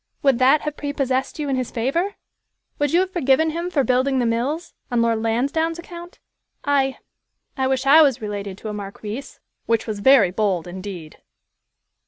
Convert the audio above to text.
"Would that have prepossessed you in his favor? Would you have forgiven him for building the mills, on Lord Lansdowne's account? I I wish I was related to a marquis," which was very bold indeed.